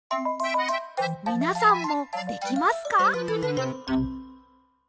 みなさんもできますか？